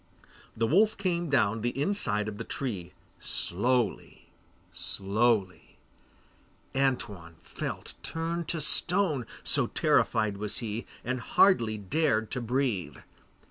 The wolf came down the inside of the tree, slowly, slowly; Antoine felt turned to stone, so terrified was he, and hardly dared to breathe.